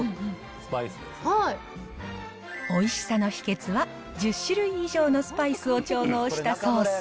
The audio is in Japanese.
おいしさの秘けつは、１０種類以上のスパイスを調合したソース。